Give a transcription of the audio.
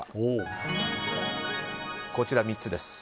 こちら３つです。